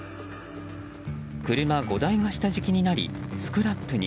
車５台が下敷きになりスクラップに。